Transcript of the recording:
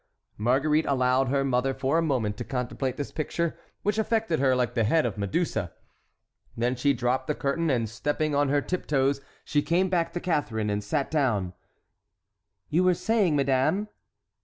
Marguerite allowed her mother for a moment to contemplate this picture, which affected her like the head of Medusa. Then she dropped the curtain and stepping on her tip toes she came back to Catharine and sat down: "You were saying, madame?"